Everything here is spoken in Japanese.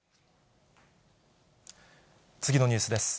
次のニュースです。